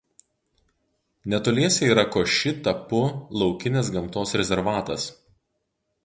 Netoliese yra Koši Tapu laukinės gamtos rezervatas.